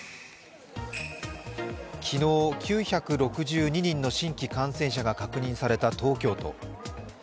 昨日、９６２人の新規感染者が確認された東京都。